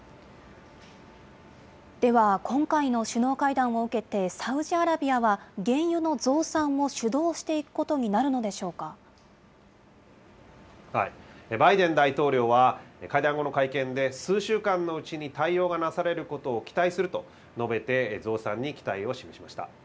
では今回の首脳会談を受けて、サウジアラビアは原油の増産を主導していくことになるのでしょうバイデン大統領は、会談後の会見で数週間のうちに対応がなされることを期待すると述べて、増産に期待を示しました。